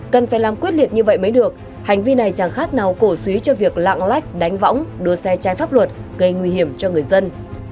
cần phải làm quyết liệt như vậy mới được hành vi này chẳng khác nào cổ suý cho việc lạng lách đánh võng đua xe trái pháp luật gây nguy hiểm cho người dân